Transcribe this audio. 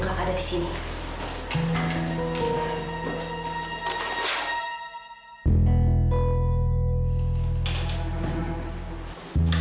pak pindahkan ya pak